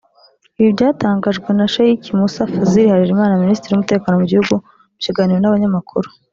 Ibi byatangajwe na Sheikh Mussa Fazil Harerimana Minisitiri w’umutekano mu gihugu mu kiganiro n’abanyamakuru